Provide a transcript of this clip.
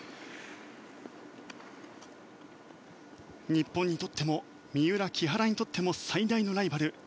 日本にとっても三浦、木原にとっても最大のライバル。